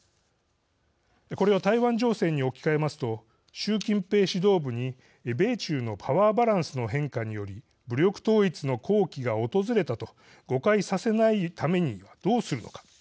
これを台湾情勢に置き換えますと習近平指導部に、米中のパワーバランスの変化により武力統一の好機が訪れたと誤解させないためにどうするのか。